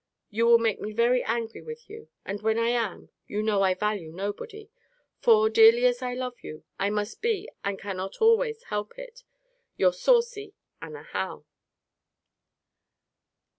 You will make me very angry with you: and when I am, you know I value nobody: for, dearly as I love you, I must be, and cannot always help it, Your saucy ANNA HOWE.